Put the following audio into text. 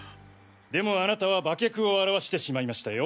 でもあなたは馬脚を現してしまいましたよ。